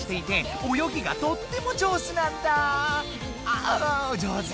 ああじょうず！